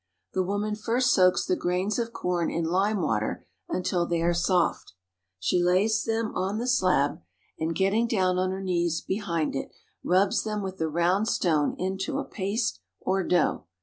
The woman first soaks the grains of corn in limewater until they are soft. She then lays them on the slab, and, getting down on her knees behind it, rubs them with the round stone into a paste or dough.